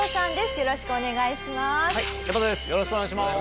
よろしくお願いします。